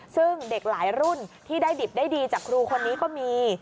ซึ่งเด็กหลายรุ่นที่ได้ดิบได้ดีจากครูคนนี้ก็มี